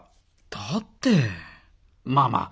だって。まあまあ。